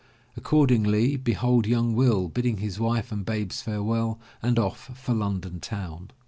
Accordingly, behold young Will, bidding his wife and babes farewell and off for London town.